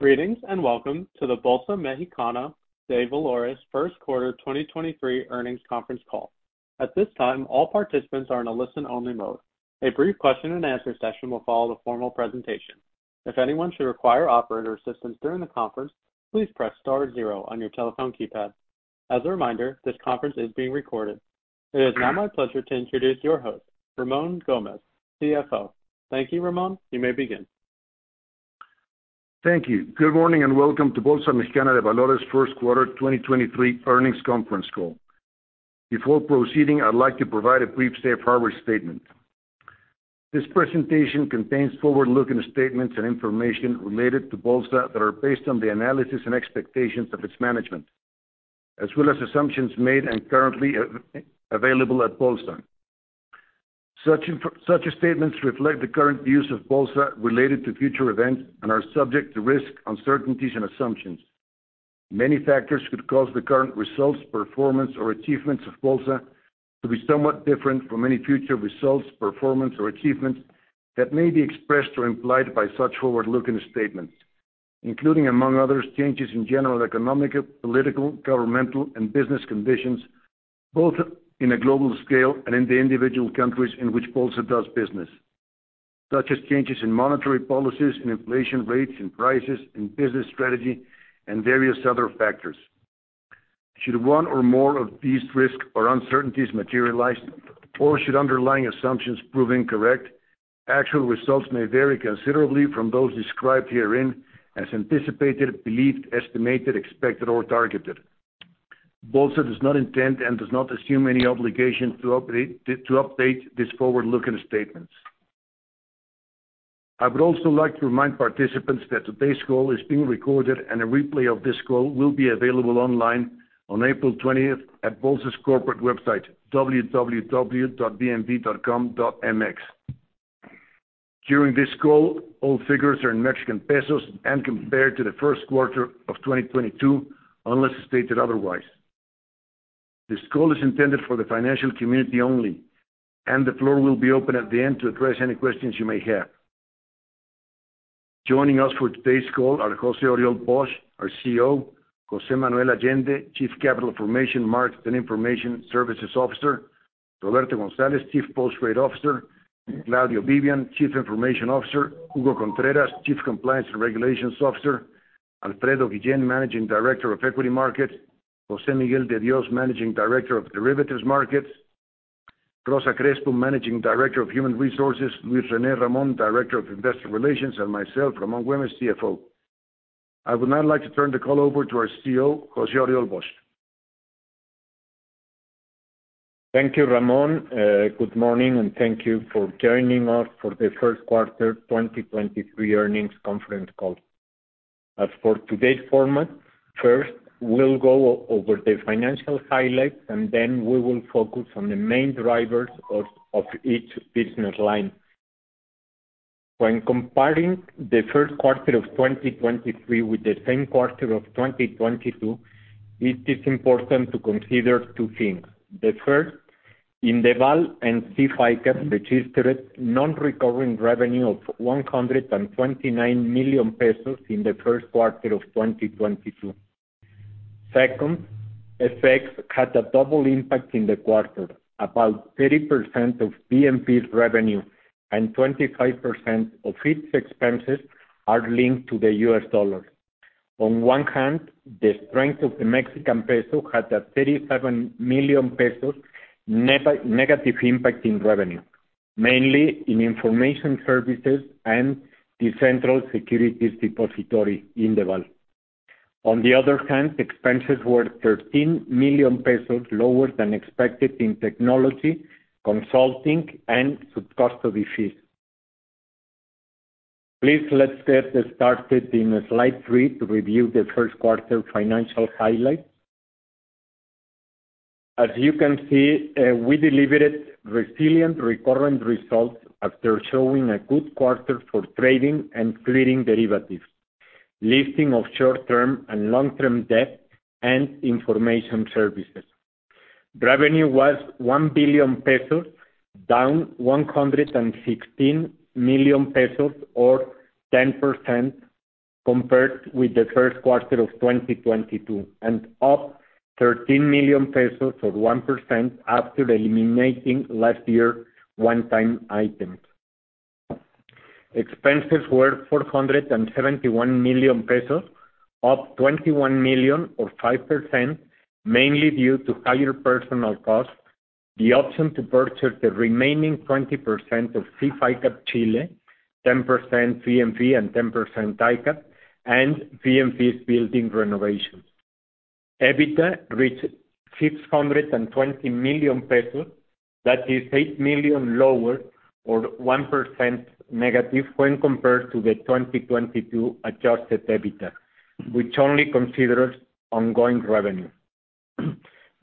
Greetings, welcome to the Bolsa Mexicana de Valores first quarter 2023 earnings conference call. At this time, all participants are in a listen-only mode. A brief question and answer session will follow the formal presentation. If anyone should require operator assistance during the conference, please press star zero on your telephone keypad. As a reminder, this conference is being recorded. It is now my pleasure to introduce your host, Ramón Güémez, CFO. Thank you, Ramón. You may begin. Thank you. Good morning, and welcome to Bolsa Mexicana de Valores first quarter 2023 earnings conference call. Before proceeding, I'd like to provide a brief safe harbor statement. This presentation contains forward-looking statements and information related to Bolsa that are based on the analysis and expectations of its management, as well as assumptions made and currently available at Bolsa. Such statements reflect the current views of Bolsa related to future events and are subject to risk, uncertainties, and assumptions. Many factors could cause the current results, performance or achievements of Bolsa to be somewhat different from any future results, performance or achievements that may be expressed or implied by such forward-looking statements, including, among others, changes in general economic, political, governmental, and business conditions, both in a global scale and in the individual countries in which Bolsa does business. Such as changes in monetary policies, in inflation rates and prices, in business strategy, and various other factors. Should one or more of these risks or uncertainties materialize or should underlying assumptions prove incorrect, actual results may vary considerably from those described herein as anticipated, believed, estimated, expected, or targeted. Bolsa does not intend and does not assume any obligation to update these forward-looking statements. I would also like to remind participants that today's call is being recorded and a replay of this call will be available online on April 20th at Bolsa's corporate website, www.bmv.com.mx. During this call, all figures are in Mexican pesos and compared to the first quarter of 2022, unless stated otherwise. This call is intended for the financial community only, and the floor will be open at the end to address any questions you may have. Joining us for today's call are José-Oriol Bosch, our CEO. José Manuel Allende, Chief Capital Formation, Markets, and Information Services Officer. Roberto González, Chief Post Trade Officer. Claudio Vivian, Chief Information Officer. Hugo Contreras, Chief Compliance and Regulations Officer. Alfredo Guillén, Managing Director of Equity Market. José Miguel de Dios, Managing Director of Derivatives Market. Rosa Crespo, Managing Director of Human Resources. Luis René Ramón, Director of Investor Relations, and myself, Ramón Güemes, CFO. I would now like to turn the call over to our CEO, José-Oriol Bosch. Thank you, Ramón. Good morning, and thank you for joining us for the first quarter 2023 earnings conference call. As for today's format, first, we'll go over the financial highlights, and then we will focus on the main drivers of each business line. When comparing the first quarter of 2023 with the same quarter of 2022, it is important to consider two things. The first, Indeval and CIFICAP registered non-recurring revenue of 129 million pesos in the first quarter of 2022. Second, FX had a double impact in the quarter. About 30% of BMV Group's revenue and 25% of its expenses are linked to the US dollar. On one hand, the strength of the Mexican peso had a 37 million pesos negative impact in revenue, mainly in information services and the central securities depository Indeval. Expenses were 13 million pesos lower than expected in technology, consulting and subcustody fees. Please let's get started in slide three to review the first quarter financial highlights. As you can see, we delivered resilient recurrent results after showing a good quarter for trading and clearing derivatives, listing of short-term and long-term debt and information services. Revenue was 1 billion pesos, down 116 million pesos or 10% compared with the first quarter of 2022, and up 13 million pesos or 1% after eliminating last year one-time items. Expenses were 471 million pesos, up 21 million or 5%, mainly due to higher personal costs, the option to purchase the remaining 20% of CIFICAP Chile, 10% CMP and 10% ICAP, and CMP's building renovations. EBITDA reached 620 million pesos, that is 8 million lower or 1% negative when compared to the 2022 adjusted EBITDA, which only considers ongoing revenue.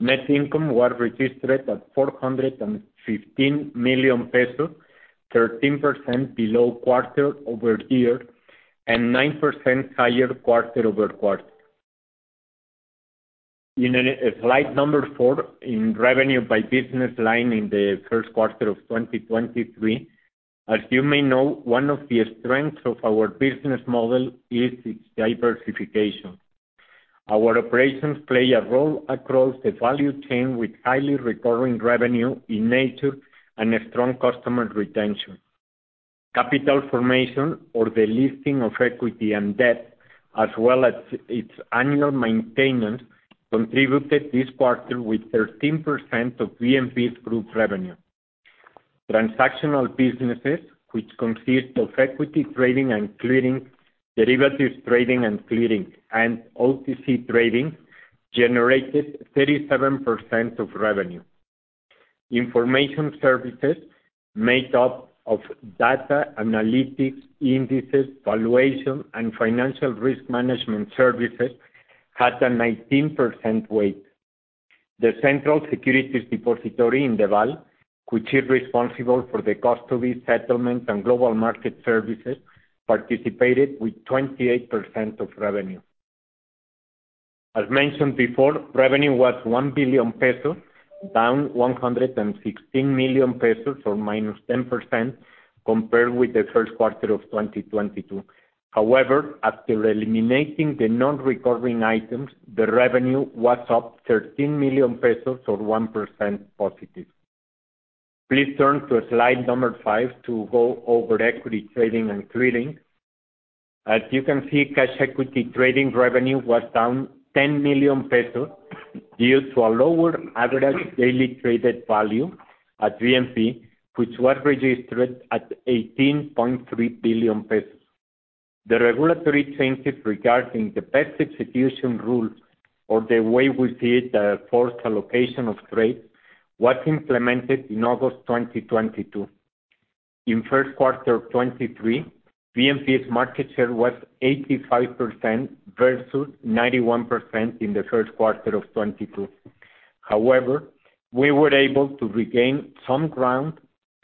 Net income was registered at 415 million pesos, 13% below quarter-over-year, and 9% higher quarter-over-quarter. In slide number four, in revenue by business line in the first quarter of 2023. As you may know, one of the strengths of our business model is its diversification. Our operations play a role across the value chain with highly recurring revenue in nature and a strong customer retention. Capital formation or the listing of equity and debt, as well as its annual maintenance, contributed this quarter with 13% of BMV's group revenue. Transactional businesses, which consist of equity trading and clearing, derivatives trading and clearing, and OTC trading, generated 37% of revenue. Information services made up of data analytics, indices, valuation, and financial risk management services had a 19% weight. The central securities depository Indeval, which is responsible for the custody, settlement, and global market services, participated with 28% of revenue. As mentioned before, revenue was 1 billion pesos, down 116 million pesos or minus 10% compared with the first quarter of 2022. After eliminating the non-recurring items, the revenue was up 13 million pesos or 1% positive. Please turn to slide number five to go over equity trading and clearing. As you can see, cash equity trading revenue was down 10 million pesos due to a lower average daily traded value at BMV, which was registered at 18.3 billion pesos. The regulatory changes regarding the best execution rule or the way we did the forced allocation of trades was implemented in August 2022. In first quarter of 2023, BMV's market share was 85% versus 91% in the first quarter of 2022. We were able to regain some ground,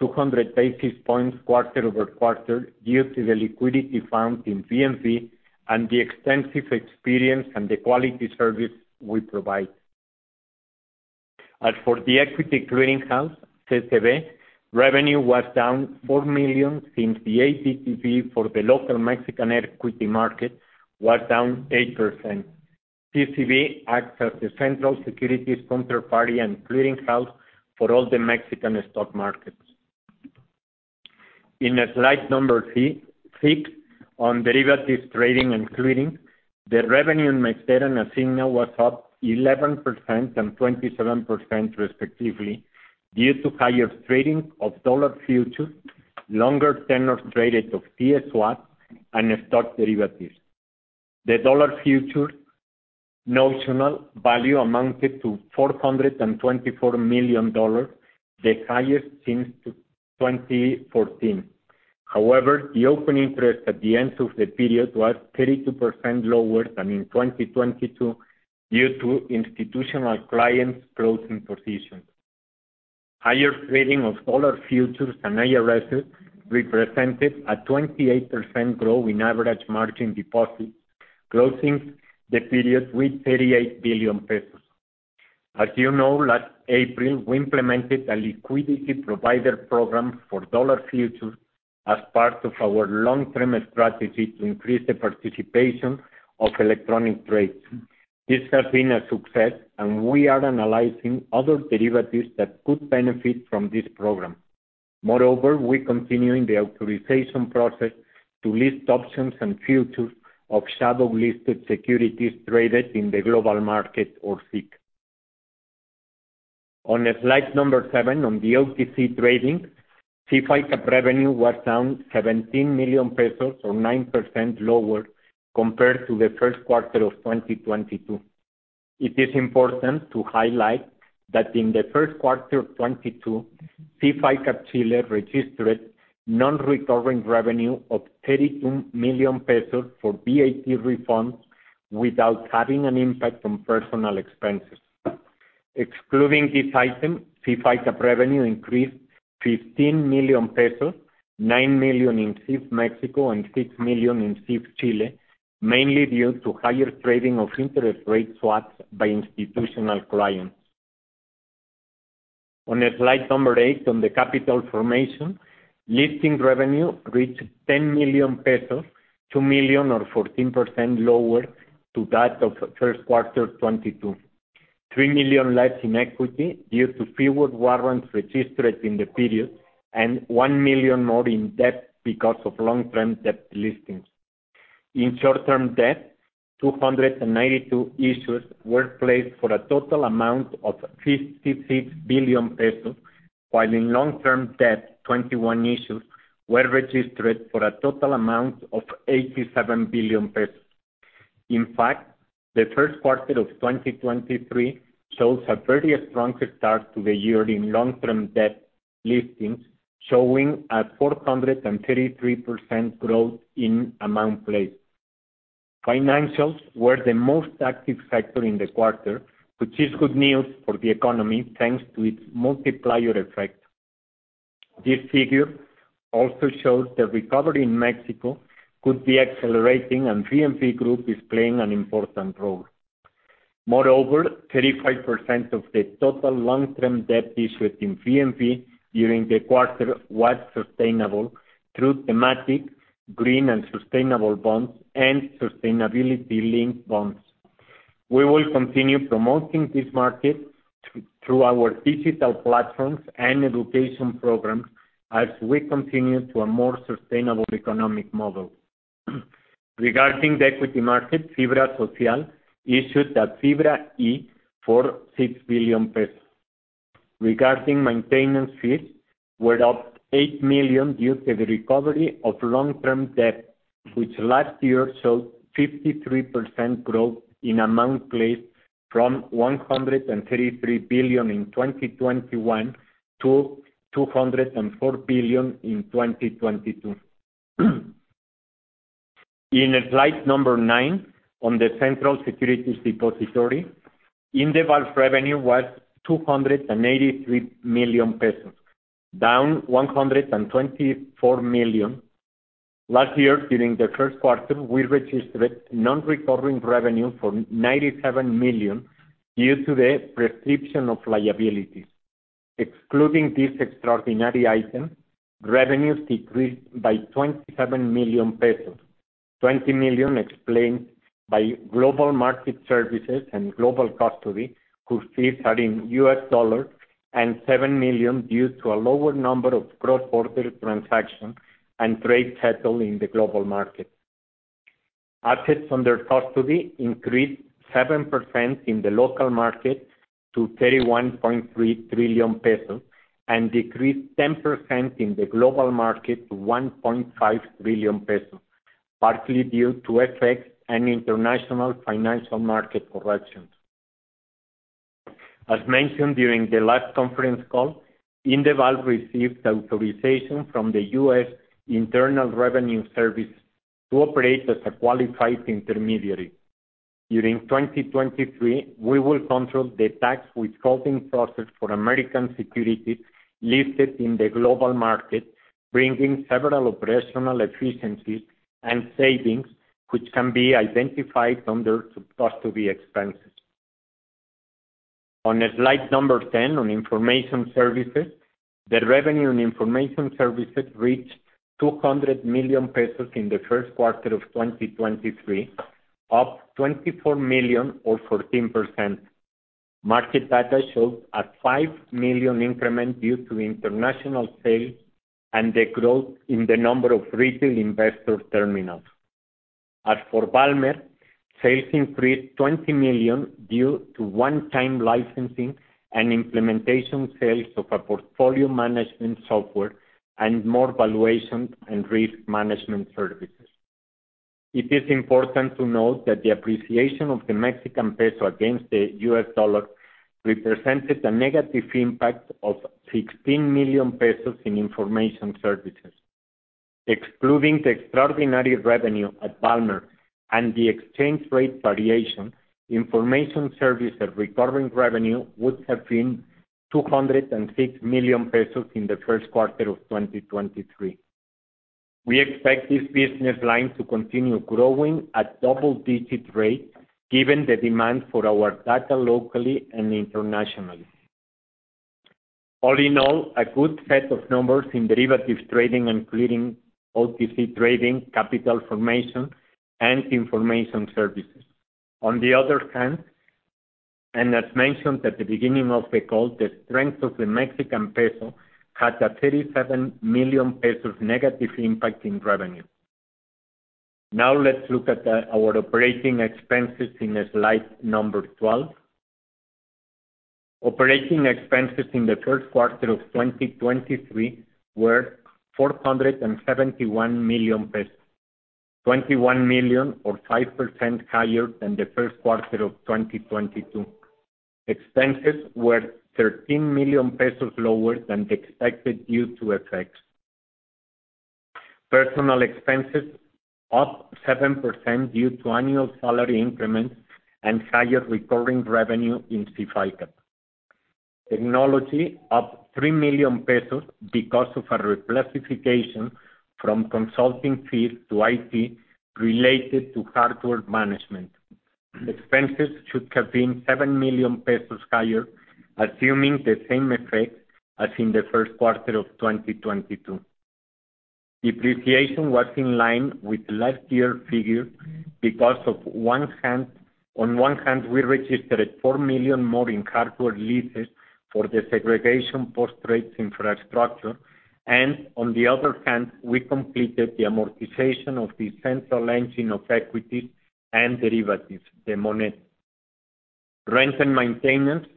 200 basis points quarter-over-quarter, due to the liquidity found in BMV and the extensive experience and the quality service we provide. As for the equity clearinghouse, CCV, revenue was down 4 million since the ADTV for the local Mexican equity market was down 8%. CCV acts as the central securities counterparty and clearinghouse for all the Mexican stock markets. In slide number 33, on derivatives trading and clearing, the revenue in MexDer and Asigna was up 11% and 27% respectively due to higher trading of dollar futures, longer tenors traded of TIIE swaps and stock derivatives. The dollar future notional value amounted to $424 million dollars, the highest since 2014. However, the open interest at the end of the period was 32% lower than in 2022 due to institutional clients closing positions. Higher trading of dollar futures and IRSs represented a 28% growth in average margin deposits closing the period with 38 billion pesos. As you know, last April, we implemented a liquidity provider program for dollar futures as part of our long-term strategy to increase the participation of electronic trades. This has been a success, and we are analyzing other derivatives that could benefit from this program. We continue in the authorization process to list options and futures of shadow-listed securities traded in the global market or SIC. On slide seven on the OTC trading, CIFICAP revenue was down 17 million pesos or 9% lower compared to the first quarter of 2022. It is important to highlight that in the first quarter of 2022, CIFICAP Chile registered non-recurring revenue of 32 million pesos for VAT refunds without having an impact on personal expenses. Excluding this item, CIFICAP revenue increased 15 million pesos, 9 million in CIF Mexico and 6 million in CIF Chile, mainly due to higher trading of interest rate swaps by institutional clients. On slide eight on the capital formation, listing revenue reached 10 million pesos, 2 million or 14% lower to that of first quarter 2022. 3 million less in equity due to fewer warrants registered in the period and 1 million more in debt because of long-term debt listings. In short-term debt, 292 issues were placed for a total amount of 56 billion pesos, while in long-term debt, 21 issues were registered for a total amount of 87 billion pesos. In fact, the first quarter of 2023 shows a very strong start to the year in long-term debt listings, showing a 433% growth in amount placed. Financials were the most active sector in the quarter, which is good news for the economy thanks to its multiplier effect. This figure also shows the recovery in Mexico could be accelerating and BMV Group is playing an important role. Moreover, 35% of the total long-term debt issued in BMV during the quarter was sustainable through thematic green and sustainable bonds and sustainability-linked bonds. We will continue promoting this market through our digital platforms and education programs as we continue to a more sustainable economic model. Regarding the equity market, Fibra M F Social issued that Fibra E for 6 billion pesos. Regarding maintenance fees were up 8 million due to the recovery of long-term debt, which last year showed 53% growth in amount placed from 133 billion in 2021 to 204 billion in 2022. In slide number nine, on the central securities depository, Indeval revenue was 283 million pesos, down 124 million. Last year, during the first quarter, we registered non-recurring revenue for 97 million due to the prescription of liabilities. Excluding this extraordinary item, revenues decreased by 27 million pesos. 20 million explained by global market services and global custody, whose fees are in US dollars, and 7 million due to a lower number of cross-border transactions and trade settle in the global market. Assets under custody increased 7% in the local market to 31.3 billion pesos, and decreased 10% in the global market to 1.5 billion pesos, partly due to FX and international financial market corrections. As mentioned during the last conference call, Indeval received authorization from the U.S. Internal Revenue Service to operate as a qualified intermediary. During 2023, we will control the tax withholding process for American securities listed in the global market, bringing several operational efficiencies and savings which can be identified under sub-custody expenses. On slide number 10, on information services, the revenue and information services reached 200 million pesos in the 1st quarter of 2023, up 24 million or 14%. Market data showed a 5 million increment due to international sales and the growth in the number of retail investor terminals. As for Valmer, sales increased 20 million due to one-time licensing and implementation sales of a portfolio management software and more valuation and risk management services. It is important to note that the appreciation of the Mexican peso against the US dollar represented a negative impact of 16 million pesos in information services. Excluding the extraordinary revenue at Valmer and the exchange rate variation, information service and recovering revenue would have been 206 million pesos in the 1st quarter of 2023. We expect this business line to continue growing at double-digit rate given the demand for our data locally and internationally. All in all, a good set of numbers in derivatives trading, including OTC trading, capital formation, and information services. As mentioned at the beginning of the call, the strength of the Mexican peso had a 37 million pesos negative impact in revenue. Let's look at our operating expenses in slide number 12. Operating expenses in the first quarter of 2023 were 471 million pesos, 21 million or 5% higher than the first quarter of 2022. Expenses were 13 million pesos lower than expected due to FX. Personal expenses up 7% due to annual salary increments and higher recurring revenue in CIFICAP. Technology up 3 million pesos because of a reclassification from consulting fees to IT related to hardware management. Expenses should have been 7 million pesos higher, assuming the same effect as in the first quarter of 2022. Depreciation was in line with last year's figure because on one hand, we registered 4 million more in hardware leases for the segregation post-trade infrastructure, and on the other hand, we completed the amortization of the central engine of equities and derivatives, the MoNeT. Rent and maintenance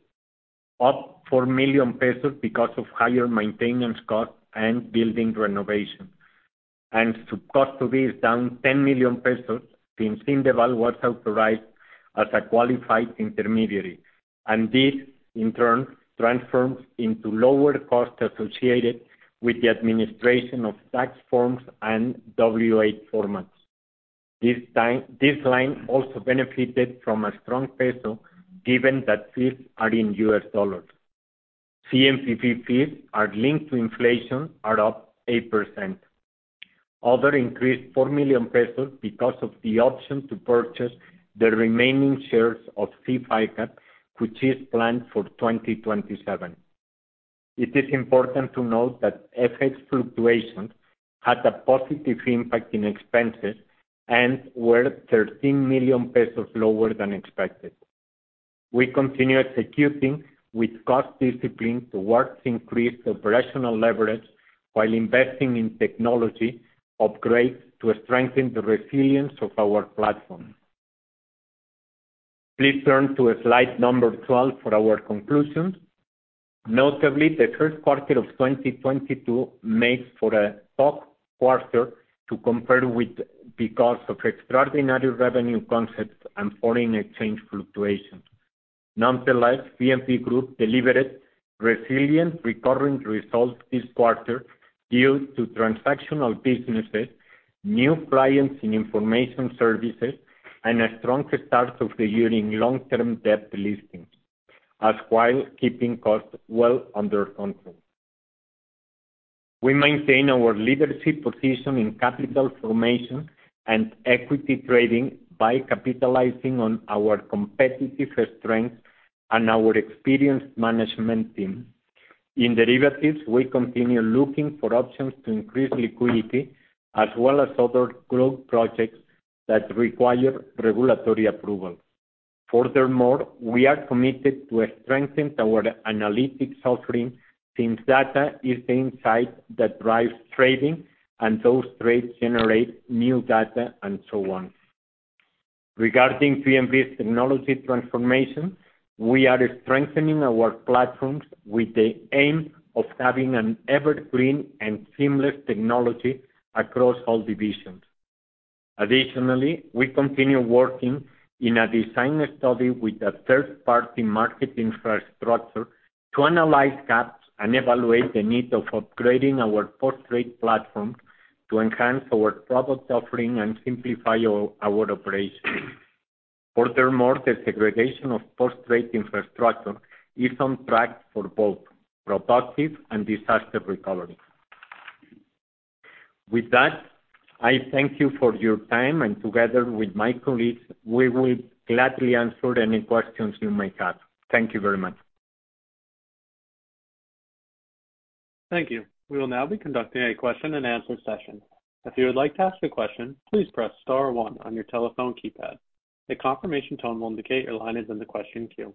up 4 million pesos because of higher maintenance costs and building renovation. Sub-custody is down 10 million pesos since Indeval was authorized as a qualified intermediary. This, in turn, transforms into lower costs associated with the administration of tax forms and W8 formats. This time, this line also benefited from a strong peso given that fees are in US dollars. CCV fees are linked to inflation are up 8%. Other increased 4 million pesos because of the option to purchase the remaining shares of CIFICAP, which is planned for 2027. It is important to note that FX fluctuations had a positive impact in expenses and were 13 million pesos lower than expected. We continue executing with cost discipline towards increased operational leverage while investing in technology upgrades to strengthen the resilience of our platform. Please turn to slide number 12 for our conclusions. Notably, the third quarter of 2022 makes for a top quarter to compare with because of extraordinary revenue concepts and foreign exchange fluctuations. Nonetheless, CMP Group delivered resilient recurring results this quarter due to transactional businesses, new clients in information services, and a strong start of the year in long-term debt listings, as while keeping costs well under control. We maintain our leadership position in capital formation and equity trading by capitalizing on our competitive strengths and our experienced management team. In derivatives, we continue looking for options to increase liquidity as well as other growth projects that require regulatory approval. We are committed to strengthen our analytics offering since data is the insight that drives trading and those trades generate new data and so on. Regarding CMP's technology transformation, we are strengthening our platforms with the aim of having an evergreen and seamless technology across all divisions. We continue working in a design study with a third-party market infrastructure to analyze gaps and evaluate the need of upgrading our post-trade platform to enhance our product offering and simplify our operations. The segregation of post-trade infrastructure is on track for both productive and disaster recovery. With that, I thank you for your time, and together with my colleagues, we will gladly answer any questions you may have. Thank you very much. Thank you. We will now be conducting a question-and-answer session. If you would like to ask a question, please press star one on your telephone keypad. A confirmation tone will indicate your line is in the question queue.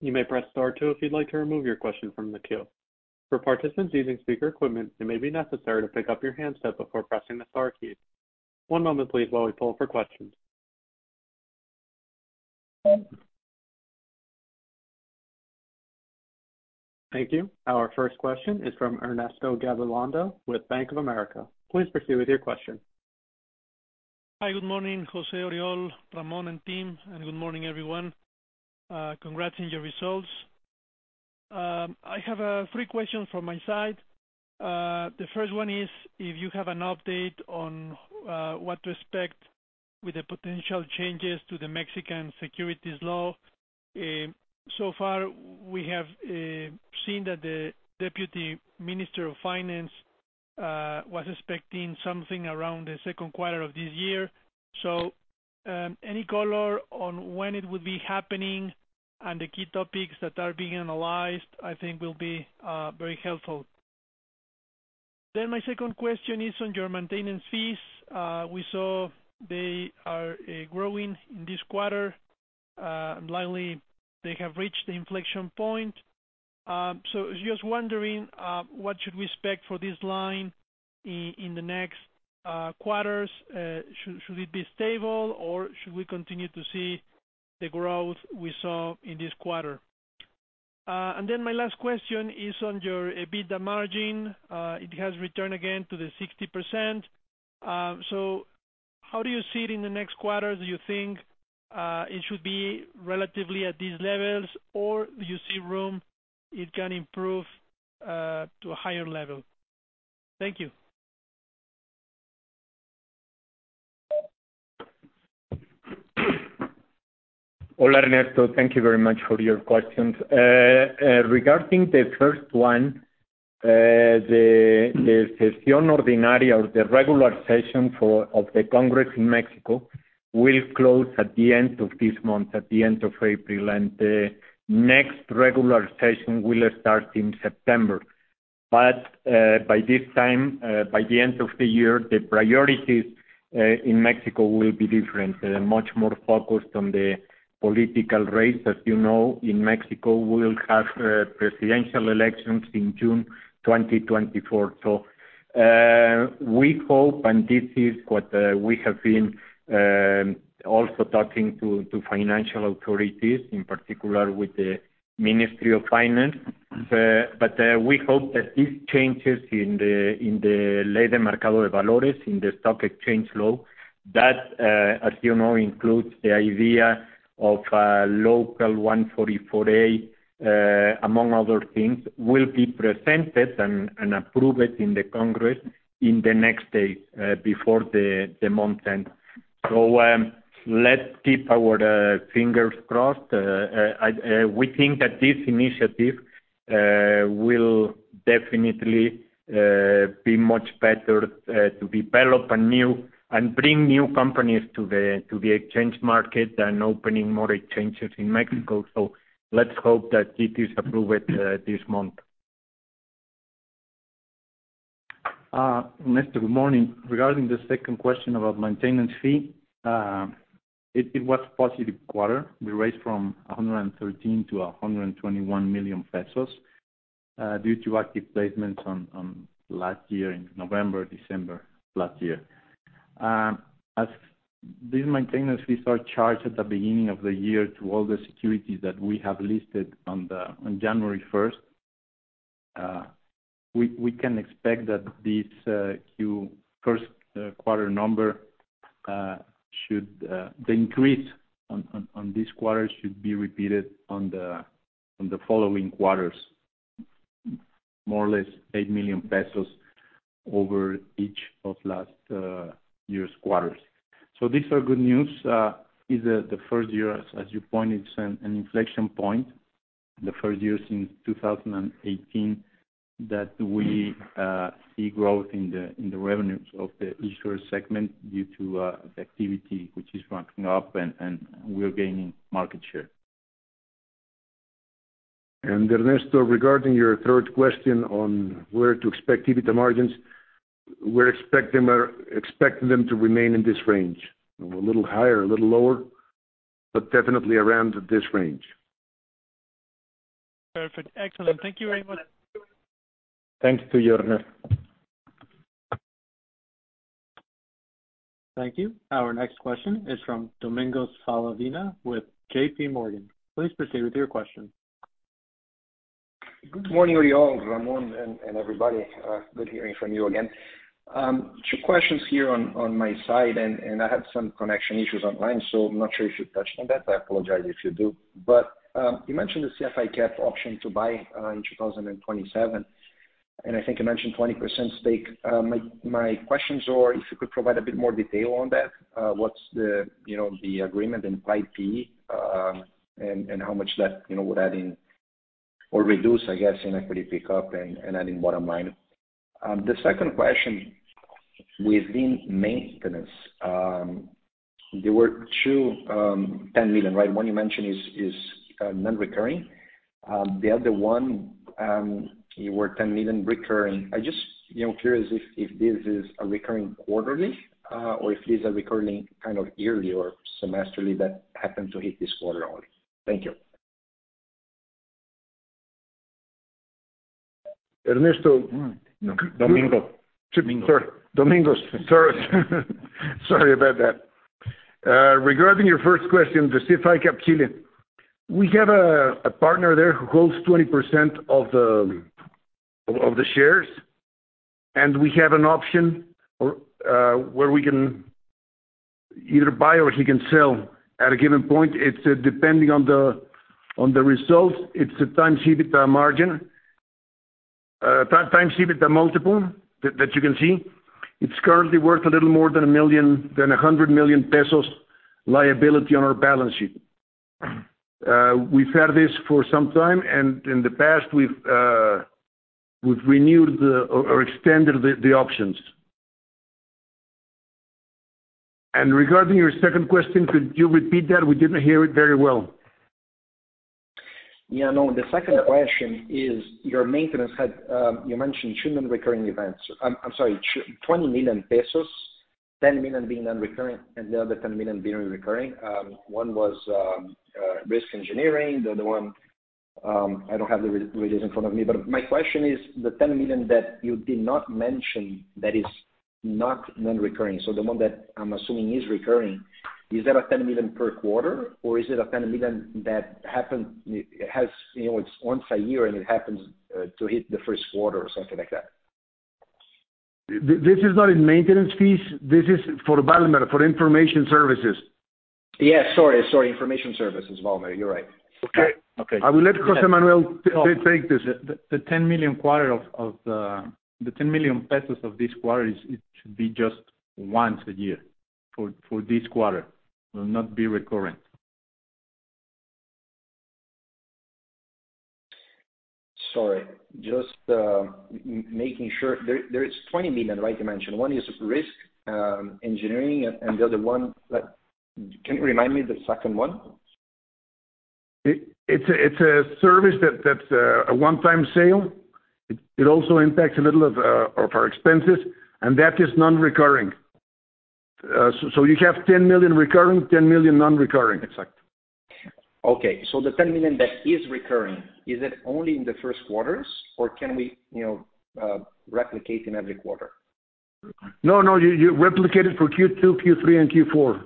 You may press star two if you'd like to remove your question from the queue. For participants using speaker equipment, it may be necessary to pick up your handset before pressing the star key. 1 moment please while we pull for questions. Thank you. Our first question is from Ernesto Gabilondo with Bank of America. Please proceed with your question. Hi, good morning, José-Oriol, Ramón, and team. Good morning, everyone. Congrats on your results. I have three questions from my side. The first one is if you have an update on what to expect with the potential changes to the Mexican Securities Law. So far, we have seen that the Deputy Minister of Finance was expecting something around the second quarter of this year. Any color on when it would be happening and the key topics that are being analyzed, I think will be very helpful. My second question is on your maintenance fees. We saw they are growing in this quarter, likely they have reached the inflection point. Just wondering what should we expect for this line in the next quarters. Should it be stable, or should we continue to see the growth we saw in this quarter? Then my last question is on your EBITDA margin. It has returned again to the 60%. How do you see it in the next quarter? Do you think it should be relatively at these levels, or do you see room it can improve to a higher level? Thank you. Hola, Ernesto. Thank you very much for your questions. Regarding the first one, the regular session of the Congress in Mexico will close at the end of this month, at the end of April, and the next regular session will start in September. By this time, by the end of the year, the priorities in Mexico will be different. They're much more focused on the political race. As you know, in Mexico, we'll have presidential elections in June 2024. We hope, and this is what we have been also talking to financial authorities, in particular with the Ministry of Finance. We hope that these changes in the Ley del Mercado de Valores, in the stock exchange law, that, as you know, includes the idea of local 144A, among other things, will be presented and approved in the Congress in the next days, before the month end. Let's keep our fingers crossed. We think that this initiative will definitely be much better to develop a new and bring new companies to the exchange market and opening more exchanges in Mexico. Let's hope that it is approved this month. Ernesto, good morning. Regarding the second question about maintenance fee, it was positive quarter. We raised from 113 million pesos to 121 million pesos due to active placements in November, December last year. As these maintenance fees are charged at the beginning of the year to all the securities that we have listed on January first, we can expect that this Q first quarter number should the increase on this quarter should be repeated on the following quarters, more or less 8 million pesos over each of last year's quarters. These are good news. Is the first year, as you pointed, an inflection point, the first year since 2018 that we see growth in the revenues of the issuer segment due to the activity which is ramping up and we're gaining market share. Ernesto, regarding your third question on where to expect EBITDA margins, we're expecting them to remain in this range. A little higher, a little lower, but definitely around this range. Perfect. Excellent. Thank you very much. Thanks to you, Ernest. Thank you. Our next question is from Domingo Saldivar with JPMorgan. Please proceed with your question. Good morning y'all, Ramón and everybody. Good hearing from you again. Two questions here on my side, I had some connection issues online, I'm not sure if you touched on that. I apologize if you do. You mentioned the CIFICAP option to buy in 2027, I think you mentioned 20% stake. My questions are if you could provide a bit more detail on that, what's the, you know, the agreement and pipe fee, and how much that, you know, would add in or reduce, I guess, in equity pickup and adding bottom line. The second question within maintenance, there were two, 10 million, right? One you mentioned is non-recurring. The other one, you were 10 million recurring. I just, you know, curious if this is a recurring quarterly, or if this is a recurring kind of yearly or semesterly that happened to hit this quarter only? Thank you. Ernesto- Domingo. Sorry, Domingos. Sorry. Sorry about that. Regarding your first question, the CIFICAP. We have a partner there who holds 20% of the shares, and we have an option where we can either buy or he can sell at a given point. It's depending on the results. It's a times EBITDA margin. Times EBITDA multiple that you can see. It's currently worth a little more than 100 million pesos liability on our balance sheet. We've had this for some time, and in the past we've renewed or extended the options. Regarding your second question, could you repeat that? We didn't hear it very well. Yeah, no. The second question is your maintenance had, you mentioned two non-recurring events. I'm sorry, 20 million pesos, 10 million being non-recurring, and the other 10 million being recurring. One was risk engineering, the other one, I don't have the release in front of me. My question is the 10 million that you did not mention that is not non-recurring, so the one that I'm assuming is recurring, is that a 10 million per quarter or is it a 10 million that happened. It has, you know, it's once a year and it happens to hit the first quarter or something like that? This is not a maintenance fees. This is for balance, for information services. Yeah, sorry, Information Services. Balance, you're right. Okay. Okay. I will let José Manuel take this. The 10 million quarter of the 10 million pesos of this quarter it should be just once a year for this quarter, will not be recurring. Sorry. Just making sure. There is 20 million, right? You mentioned one is risk engineering and the other one that... Can you remind me the second one? It's a service that's a one-time sale. It also impacts a little of our expenses, and that is non-recurring. You have 10 million recurring, 10 million non-recurring. Exactly. Okay. The 10 million that is recurring, is it only in the first quarters or can we, you know, replicate in every quarter? No, no, you replicate it for Q2, Q3 and Q4.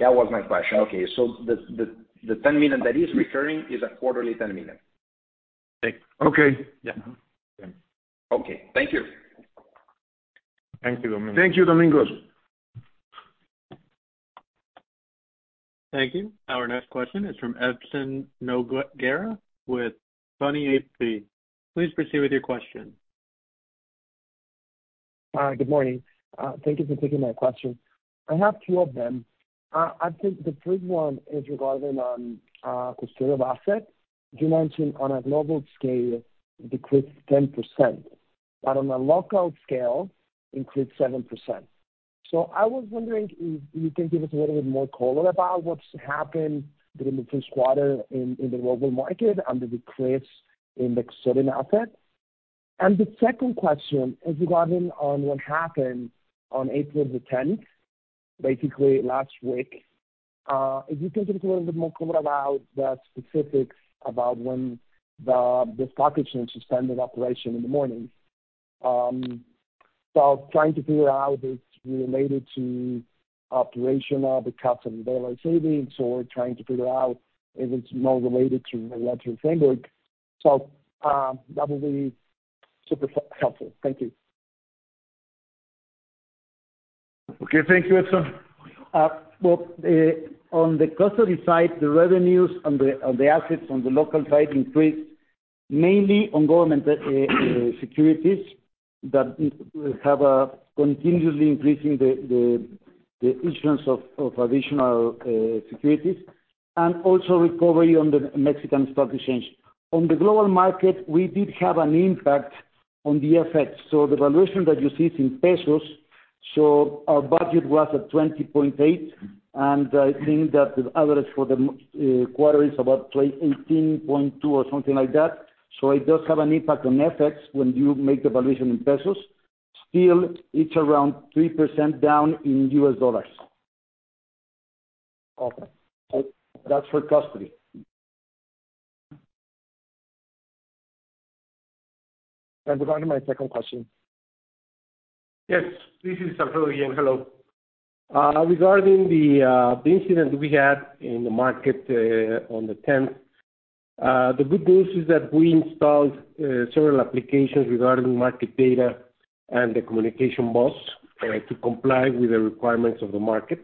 That was my question. Okay. The 10 million that is recurring is a quarterly 10 million. Okay. Yeah. Okay. Thank you. Thank you, Domingo. Thank you, Domingo. Thank you. Our next question is from Edson Nogueira with Twenty AP. Please proceed with your question. Good morning. Thank you for taking my question. I have two of them. I think the first one is regarding on custodial asset. You mentioned on a global scale, decreased 10%, but on a local scale, increased 7%. I was wondering if you can give us a little bit more color about what's happened during the 1st quarter in the global market and the decrease in the custodian asset. The second question is regarding on what happened on April 10th, basically last week. If you can give us a little bit more color about the specifics about when the stock exchange suspended operation in the morning. Trying to figure out if it's related to operational because of the savings, or trying to figure out if it's more related to the electric framework. That would be super helpful. Thank you. Okay. Thank you, Edson. Well, on the custody side, the revenues on the assets on the local side increased mainly on government securities that we have a continuously increasing the issuance of additional securities, and also recovery on the Mexican Stock Exchange. On the global market, we did have an impact on the FX. The valuation that you see is in MXN. Our budget was at 20.8, and I think that the average for the quarter is about 18.2 or something like that. It does have an impact on FX when you make the valuation in MXN. It's around 3% down in USD. Okay. That's for custody. Regarding my second question. Yes. This is Claudio here. Hello. Regarding the incident we had in the market, on the 10th, the good news is that we installed several applications regarding market data and the communication bus, to comply with the requirements of the market.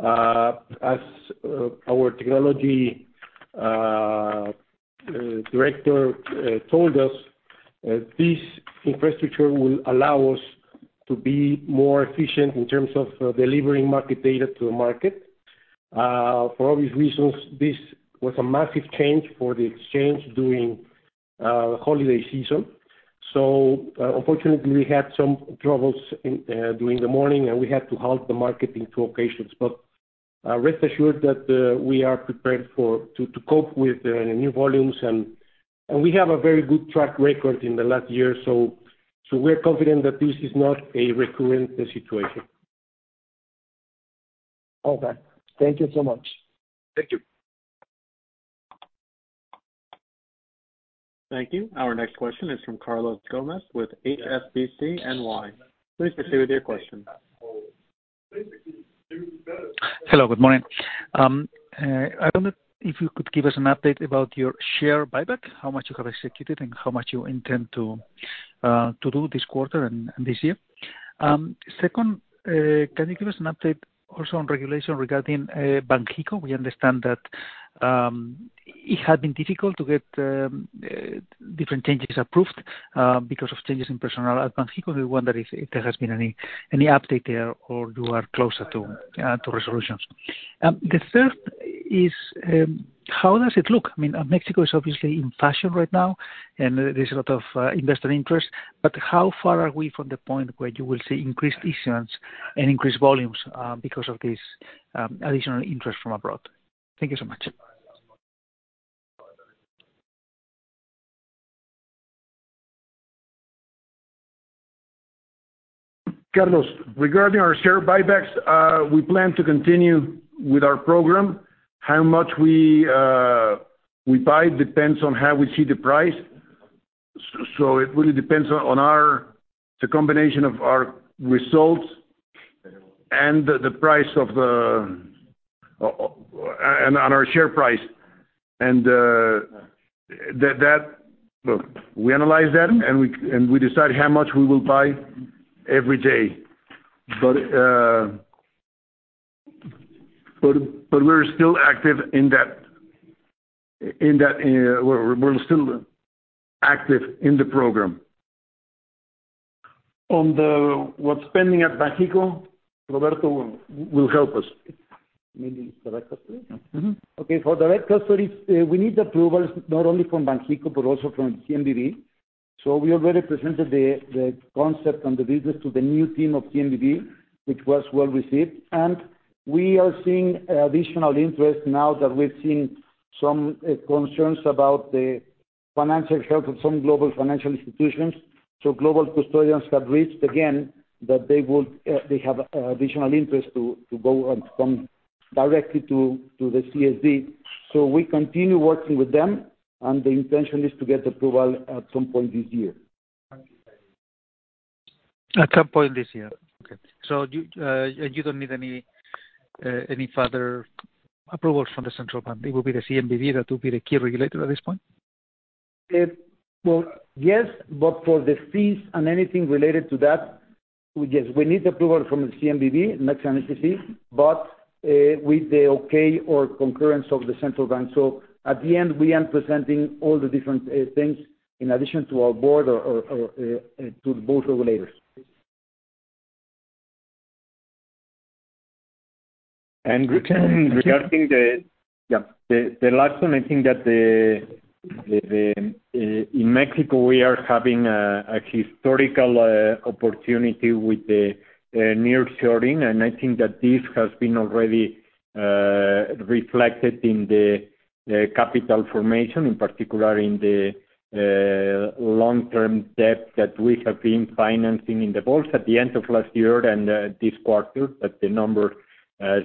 As our technology director told us, this infrastructure will allow us to be more efficient in terms of delivering market data to the market. For obvious reasons, this was a massive change for the exchange during holiday season. Unfortunately, we had some troubles in during the morning and we had to halt the market in two occasions. Rest assured that, we are prepared to cope with the new volumes and we have a very good track record in the last year, so we're confident that this is not a recurring situation. Okay. Thank you so much. Thank you. Thank you. Our next question is from Carlos Gomez with HSBC N.Y. Please proceed with your question. Hello, good morning. I wonder if you could give us an update about your share buyback, how much you have executed and how much you intend to do this quarter and this year. Second, can you give us an update also on regulation regarding Banxico? We understand that it had been difficult to get different changes approved because of changes in personnel at Banxico. We wonder if there has been any update there or you are closer to resolutions. The third is, how does it look? I mean, Mexico is obviously in fashion right now, and there's a lot of investor interest, but how far are we from the point where you will see increased issuance and increased volumes because of this additional interest from abroad? Thank you so much. Carlos, regarding our share buybacks, we plan to continue with our program. How much we buy depends on how we see the price. It really depends on the combination of our results and the price of the and on our share price. Look, we analyze that and we decide how much we will buy every day. but we're still active in that we're still active in the program. What's pending at Banxico, Roberto will help us. Maybe direct custody? Mm-hmm. Okay. For direct custody, we need approvals not only from Banxico but also from CNBV. We already presented the concept and the business to the new team of CNBV, which was well received. We are seeing additional interest now that we've seen some concerns about the financial health of some global financial institutions. Global custodians have reached again that they would, they have additional interest to go and come directly to the CSD. We continue working with them, and the intention is to get approval at some point this year. At some point this year. Okay. You, and you don't need any further approvals from the central bank. It will be the CNBV that will be the key regulator at this point? Yes, for the fees and anything related to that, we need approval from the CNBV, Mexican SEC, but with the okay or concurrence of the central bank. At the end, we are presenting all the different things in addition to our board or to both regulators. regarding Yeah. The last one, I think that the in Mexico we are having a historical opportunity with the nearshoring. I think that this has been already reflected in the capital formation, in particular in the long-term debt that we have been financing in the vaults at the end of last year and this quarter. The numbers, as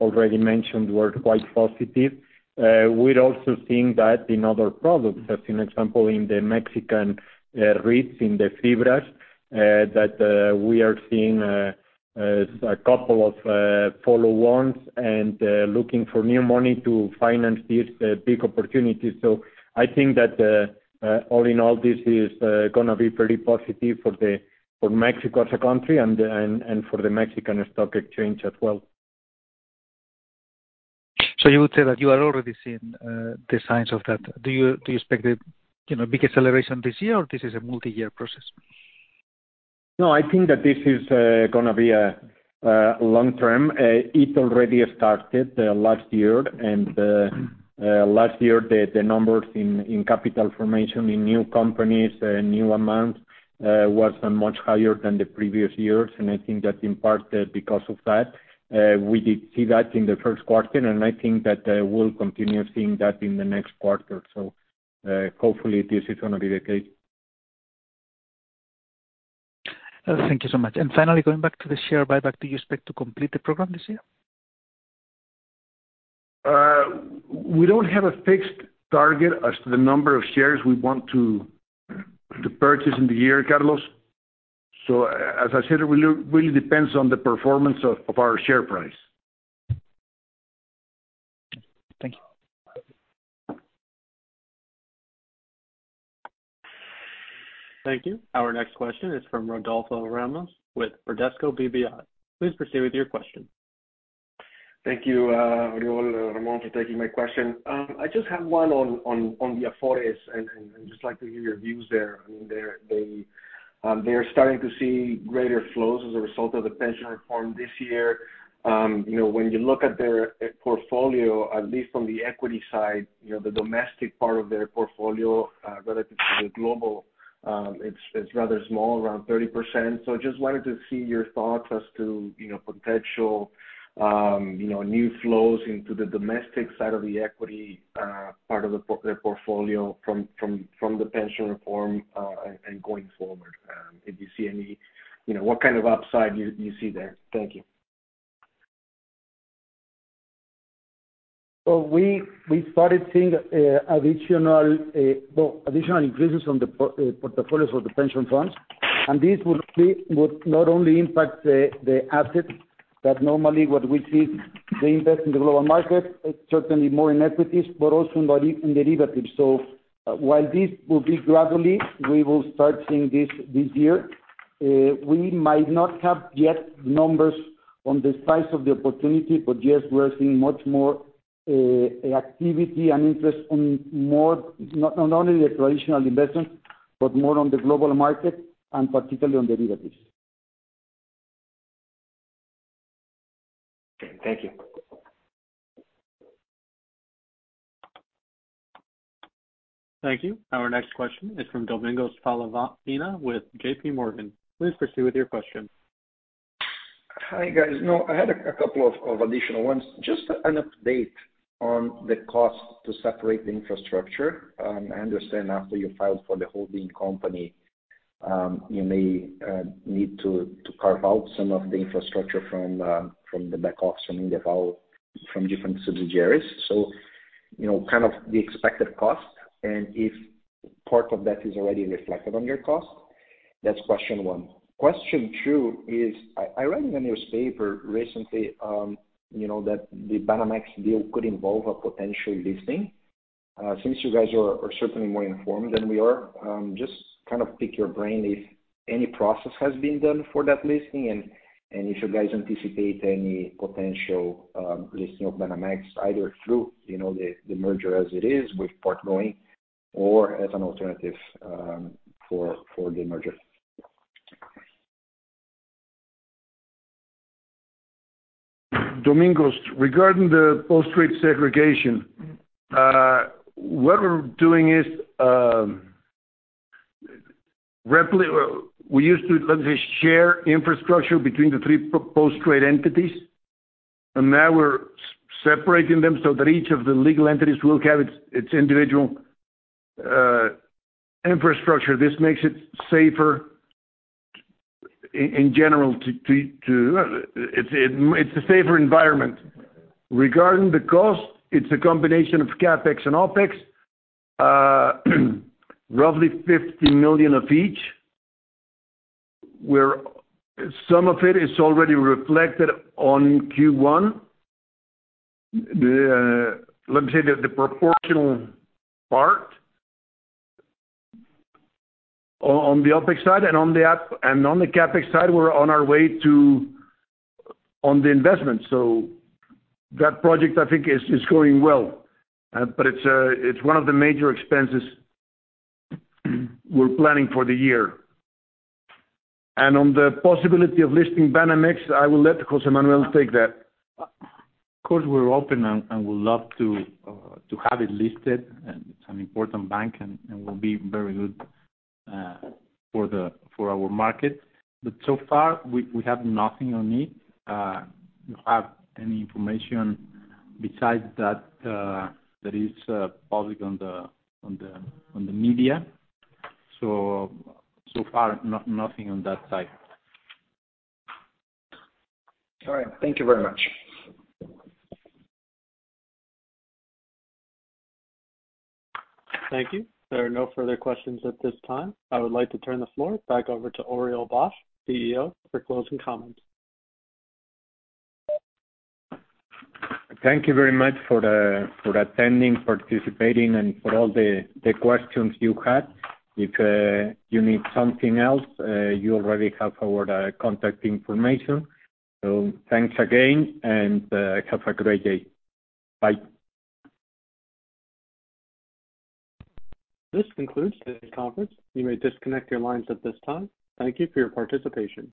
already mentioned, were quite positive. We're also seeing that in other products. As an example, in the Mexican REITs, in the FIBRAs, that we are seeing a couple of follow-ons and looking for new money to finance this big opportunity. I think that, all in all, this is gonna be pretty positive for Mexico as a country and for the Mexican stock exchange as well. You would say that you are already seeing, the signs of that. Do you expect a, you know, big acceleration this year, or this is a multi-year process? No, I think that this is gonna be a long term. It already started last year. Last year, the numbers in capital formation in new companies, new amounts, was much higher than the previous years. I think that's in part because of that. We did see that in the first quarter, and I think that we'll continue seeing that in the next quarter. Hopefully this is gonna be the case. Thank you so much. Finally, going back to the share buyback, do you expect to complete the program this year? We don't have a fixed target as to the number of shares we want to purchase in the year, Carlos. As I said, it really depends on the performance of our share price. Thank you. Thank you. Our next question is from Rodolfo Ramos with Bradesco BBI. Please proceed with your question. Thank you, Oriol and Ramón for taking my question. I just have one on the Afores and just like to hear your views there. I mean, they are starting to see greater flows as a result of the pension reform this year. You know, when you look at their portfolio, at least from the equity side, you know, the domestic part of their portfolio, relative to the global, it's rather small, around 30%. Just wanted to see your thoughts as to, you know, potential, you know, new flows into the domestic side of the equity part of the portfolio from the pension reform and going forward. If you see any, you know, what kind of upside you see there. Thank you. We started seeing additional additional increases on the portfolios of the pension funds. This would not only impact the assets that normally what we see the invest in the global market, certainly more in equities, but also in derivatives. While this will be gradually, we will start seeing this this year. We might not have yet numbers on the size of the opportunity, but yes, we are seeing much more activity and interest in more, not only the traditional investment, but more on the global market and particularly on derivatives. Okay. Thank you. Thank you. Our next question is from Domingos Falavina with JPMorgan. Please proceed with your question. Hi, guys. I had a couple of additional ones. Just an update on the cost to separate the infrastructure. I understand after you filed for the holding company, you may need to carve out some of the infrastructure from the back office from Indeval from different subsidiaries. You know, kind of the expected cost and if part of that is already reflected on your cost. That's question one. Question two is, I read in the newspaper recently, you know, that the Banamex deal could involve a potential listing. Since you guys are certainly more informed than we are, just kind of pick your brain if any process has been done for that listing and if you guys anticipate any potential listing of Banamex either through, you know, the merger as it is with Portgoing or as an alternative for the merger. Domingos, regarding the post-trade segregation, what we're doing is Rapidly, we used to, let me say, share infrastructure between the three post-trade entities, and now we're separating them so that each of the legal entities will have its individual infrastructure. This makes it safer in general. It's a safer environment. Regarding the cost, it's a combination of CapEx and OpEx, roughly MXN 50 million of each, where some of it is already reflected on Q1. Let me say, the proportional part on the OpEx side. On the CapEx side, we're on our way to on the investment. That project, I think, is going well. It's one of the major expenses we're planning for the year. On the possibility of listing Banamex, I will let Jose Manuel take that. Of course, we're open and would love to to have it listed. It's an important bank, and it will be very good for our market. So far, we have nothing on it. We don't have any information besides that that is public on the media. So far nothing on that side. All right. Thank you very much. Thank you. There are no further questions at this time. I would like to turn the floor back over to Oriol Bosch, CEO, for closing comments. Thank you very much for attending, participating, and for all the questions you had. If you need something else, you already have our contact information. Thanks again, and have a great day. Bye. This concludes today's conference. You may disconnect your lines at this time. Thank you for your participation.